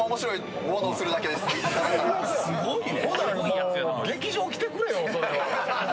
すごいね。